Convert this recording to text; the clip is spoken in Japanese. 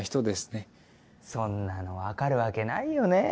そんなの分かるわけないよねぇ。